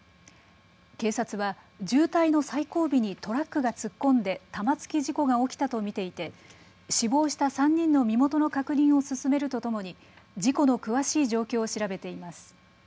警察は渋滞の最後尾にトラックが突っ込んで玉突き事故が起きたと見ていて死亡した３人の身元の確認を進めるとともに事故の詳しい状況を調べています。